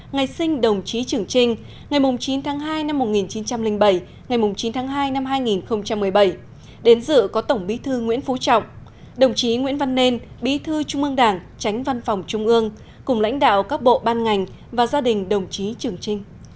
ngày sinh đồng chí trường trinh ngày chín tháng hai năm một nghìn chín trăm linh bảy ngày chín tháng hai năm hai nghìn một mươi bảy đến dự có tổng bí thư nguyễn phú trọng đồng chí nguyễn văn nên bí thư trung ương đảng tránh văn phòng trung ương cùng lãnh đạo các bộ ban ngành và gia đình đồng chí trường trinh